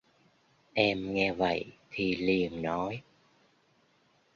Em nghe vậy thì liền nói